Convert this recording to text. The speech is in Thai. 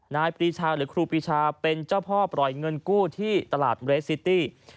นายปรีชาหรือครูปีชาเป็นเจ้าพ่อปล่อยเงินกู้ที่ตลาดเรสซิตี้